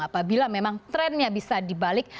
apabila memang trennya bisa dibalik